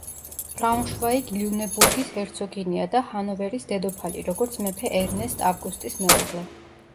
ბრაუნშვაიგ-ლიუნებურგის ჰერცოგინია და ჰანოვერის დედოფალი როგორც მეფე ერნესტ ავგუსტის მეუღლე.